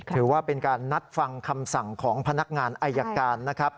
ถือว่าเป็นการนัดฟังคำสั่งของพนักงานอายการนะครับ